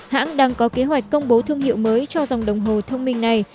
hãng đang có kế hoạch công bố thương hiệu mới cho dòng đồng hồ thông minh này